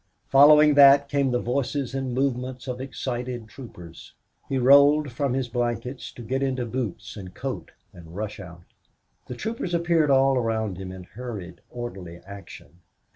Following that came the voices and movements of excited troopers. He rolled from his blankets to get into boots and coat and rush out. The troopers appeared all around him in hurried orderly action.